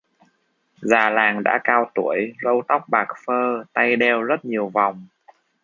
Già làng đã cao tuổi, râu tóc bạc phơ, tay đeo rất nhiều vòng